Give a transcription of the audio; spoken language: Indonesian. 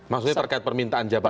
maksudnya terkait permintaan jabatan